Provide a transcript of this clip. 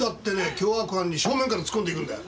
凶悪犯に正面から突っ込んでいくんだよ。